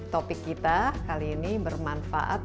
topik kita kali ini bermanfaat